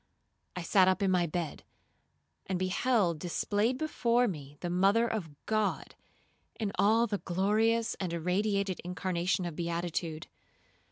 I sat up in my bed, and beheld displayed before me the mother of God, in all the glorious and irradiated incarnation of beatitude.